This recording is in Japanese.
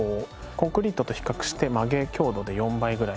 コンクリートと比較して曲げ強度で４倍ぐらい。